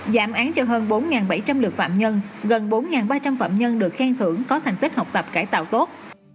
giảm án cho hơn bốn bảy trăm linh lượt phạm nhân gần bốn ba trăm linh phạm nhân được khen thưởng có thành tích học tập cải tạo tốt